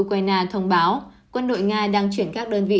của quân đội ukraine thông báo quân đội nga đang chuyển các đơn vị